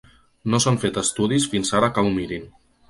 No s'han fet estudis fins ara que ho mirin.